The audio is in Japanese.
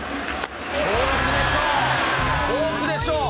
フォークでしょう。